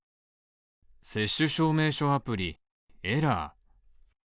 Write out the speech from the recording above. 接種証明書アプリ、エラー。